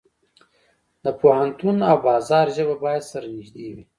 د پوهنتون او بازار ژبه باید سره نږدې وي.